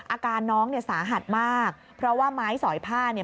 อาการน้องเนี่ยสาหัสมากเพราะว่าไม้สอยผ้าเนี่ย